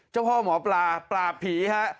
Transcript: เจ้าพ่อหมอปลาปราบผีฮะ